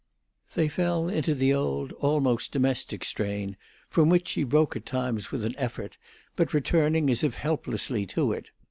They fell into the old, almost domestic strain, from which she broke at times with an effort, but returning as if helplessly to it.